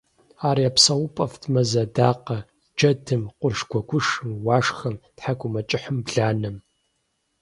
Ар я псэупӀэфӀт мэз адакъэ – джэдым, къурш гуэгушым, уашхэм, тхьэкӀумэкӀыхьым, бланэм.